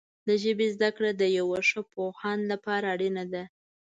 د ژبې زده کړه د یو ښه پوهاند لپاره اړینه ده.